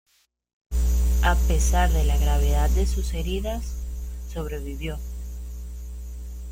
A pesar de la gravedad de sus heridas, sobrevivió.